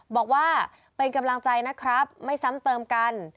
บอกว่าเป็นกำลังใจนะครับไม่ซ้ำเติมกัน